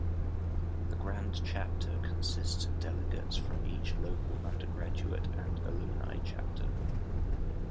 The Grand Chapter consists of delegates from each local undergraduate and alumni chapter.